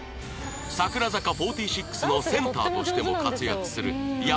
櫻坂４６のセンターとしても活躍する山天